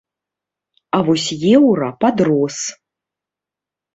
А вось еўра падрос.